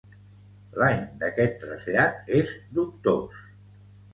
L'any d'aquest trasllat és dubtós.